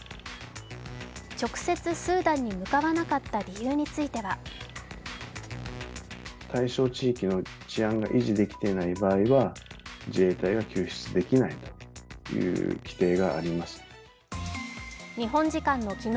直接スーダンに向わなかった理由については日本時間の昨日